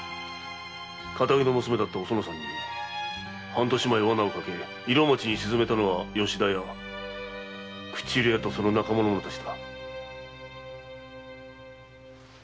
堅気の娘だったおそのさんに半年前罠をかけ色町に沈めたのは吉田屋口入れ屋と仲間の者たちだ。